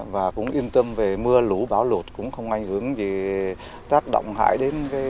và cũng yên tâm về mưa lũ bão lột cũng không ảnh hưởng gì tác động hại đến mân thôn nữa